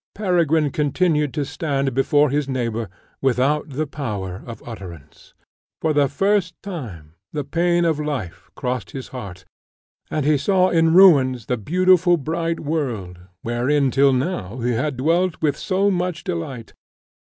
Peregrine continued to stand before his neighbour without the power of utterance. For the first time the pain of life crossed his heart, and he saw in ruins the beautiful bright world wherein, till now, he had dwelt with so much delight.